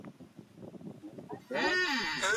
ھون گومو